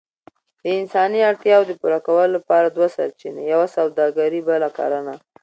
د انساني اړتياوو د پوره کولو لپاره دوه سرچينې، يوه سووداګري بله کرنه.